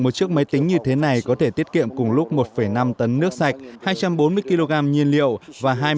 một chiếc máy tính như thế này có thể tiết kiệm cùng lúc một năm tấn nước sạch hai trăm bốn mươi kg nhiên liệu và